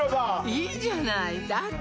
いいじゃないだって